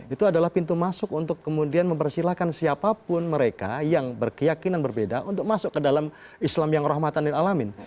itu adalah pintu masuk untuk kemudian mempersilahkan siapapun mereka yang berkeyakinan berbeda untuk masuk ke dalam islam yang rahmatan dan alamin